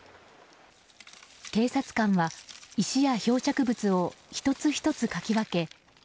警察官は石や漂着物を１つ１つかき分け